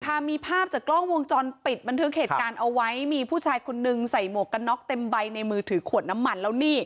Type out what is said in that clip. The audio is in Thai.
ค่ะมีภาพจากกล้องวงจรปิดบันทึกเหตุการณ์เอาไว้มีผู้ชายคนนึงใส่หมวกกันน็อกเต็มใบในมือถือขวดน้ำมันแล้วนี่